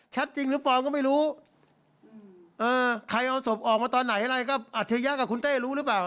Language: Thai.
จริงหรือเปล่าก็ไม่รู้เออใครเอาศพออกมาตอนไหนอะไรก็อัจฉริยะกับคุณเต้รู้หรือเปล่า